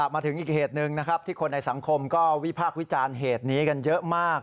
มาถึงอีกเหตุหนึ่งนะครับที่คนในสังคมก็วิพากษ์วิจารณ์เหตุนี้กันเยอะมาก